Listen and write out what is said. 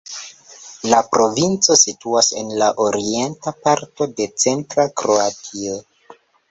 La provinco situas en la orienta parto de centra Kroatio.